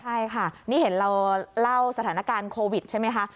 ใช่ค่ะนี่เห็นเราเล่าสถานการณ์โควิดใช่ไหมคะ